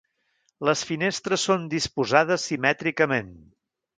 Les finestres són disposades simètricament.